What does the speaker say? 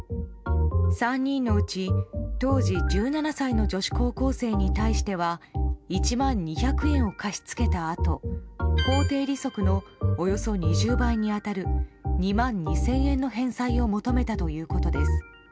３人のうち当時１７歳の女子高校生に対しては１万２００円を貸し付けたあと法定利息のおよそ２０倍に当たる２万２０００円の返済を求めたということです。